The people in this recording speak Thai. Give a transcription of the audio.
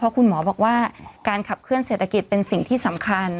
คุณหมอบอกว่าการขับเคลื่อเศรษฐกิจเป็นสิ่งที่สำคัญ